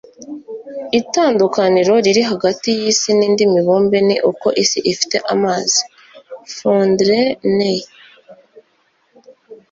itandukaniro riri hagati yisi nindi mibumbe ni uko isi ifite amazi. (feudrenais